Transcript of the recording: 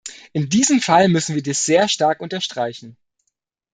In diesem Fall müssen wir dies sehr stark unterstreichen.